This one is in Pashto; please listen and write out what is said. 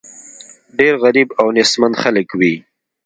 ډېر غریب او نېستمن خلک وي.